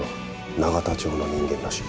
永田町の人間らしい。